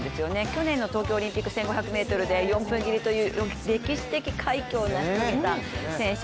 去年の東京オリンピック１５００ｍで４分切りという歴史的快挙をなし遂げた選手。